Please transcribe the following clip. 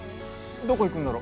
どこ行くんだろ？